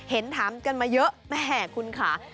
เห็นถามกันมาเยอะแม่คุณค่ะ